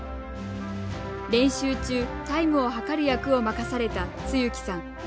練習中、タイムを計る役を任された露木さん。